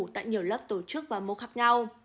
tại nhiều lớp tổ chức và mô khác nhau